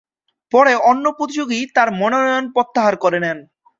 পরে অন্য প্রতিযোগী তার মনোনয়ন প্রত্যাহার করে নেন।